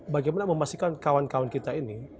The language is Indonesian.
bagaimana memastikan kawan kawan kita ini